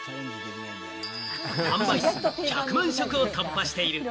販売数１００万食を突破している。